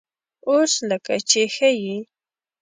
_اوس لکه چې ښه يې؟